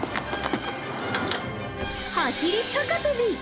走り高跳び。